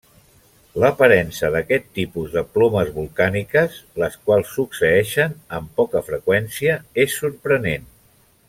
L'aparença d'aquest tipus de plomes volcàniques, les quals succeeixen amb poca freqüència, és sorprenent.